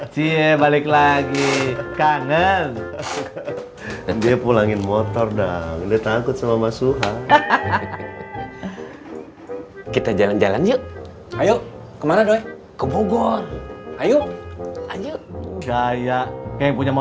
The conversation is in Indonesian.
sampai jumpa di video selanjutnya